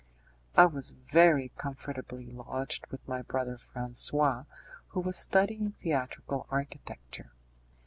I was very comfortably lodged with my brother Francois, who was studying theatrical architecture.